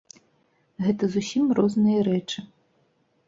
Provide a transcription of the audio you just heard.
Гэта зусім розныя рэчы.